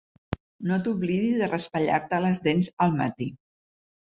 No t'oblidis de raspallar-te les dents al matí.